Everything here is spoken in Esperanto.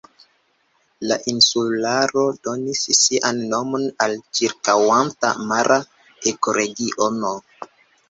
La insularo donis sian nomon al ĉirkaŭanta mara ekoregiono.